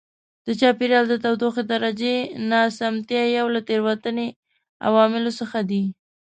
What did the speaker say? د چاپېریال د تودوخې درجې ناسمتیا یو له تېروتنې عواملو څخه دی.